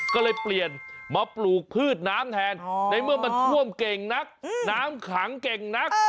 ก็เลยเปลี่ยนมาปลูกพืชน้ำแทนในเมื่อมันท่วมเก่งนักน้ำขังเก่งนัก